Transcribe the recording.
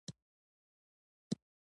چار مغز د افغانستان د طبیعت یوه برخه ده.